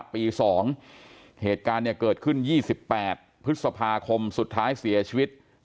ปี๒เหตุการณ์เกิดขึ้น๒๘พฤษภาคมสุดท้ายเสียชีวิต